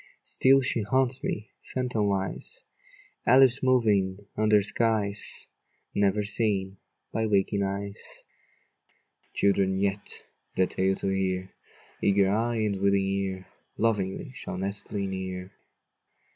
Still she haunts me, phantomwise, Alice moving under skies Never seen by waking eyes. Children yet, the tale to hear, Eager eye and willing ear, Lovingly shall nestle near.